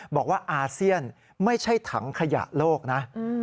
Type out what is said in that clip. บอกว่าอาเซียนไม่ใช่ถังขยะโลกนะ